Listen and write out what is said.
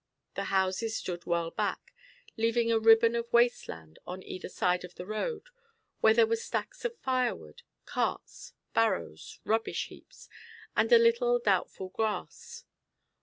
The houses stood well back, leaving a ribbon of waste land on either side of the road, where there were stacks of firewood, carts, barrows, rubbish heaps, and a little doubtful grass.